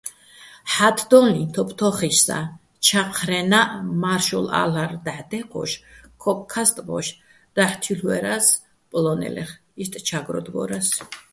ჰ̦ა́თდოლიჼ თოფთო́ხოშსაჼ ჩაჴრენაჸ მა́რშოლალ'არ დაჰ̦ დე́ჴოშ, ქოკქასტბოშ დაჰ̦ თილ'უერა́ს პოლო́ნელეხ, იშტ "ჩა́გროდვორას".